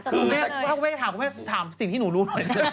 คุณแม่ถ้าไม่ได้ถามถามสิ่งที่หนูรู้หน่อย